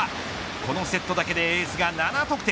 このセットだけでエースが７得点。